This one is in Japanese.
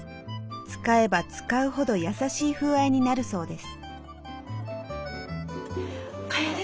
使えば使うほど優しい風合いになるそうです。